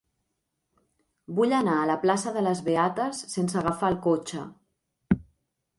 Vull anar a la plaça de les Beates sense agafar el cotxe.